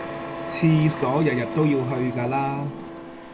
廁所日日都要去㗎啦